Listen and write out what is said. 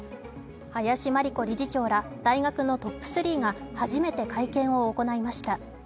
林真理子理事長ら、大学のトップ３が初めて会見を行いました。